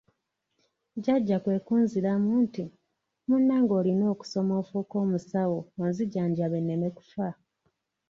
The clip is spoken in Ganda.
Jjajja kwe kunziramu nti: "Munnange olina okusoma ofuuke omusawo onzijanjabe nneme kufa."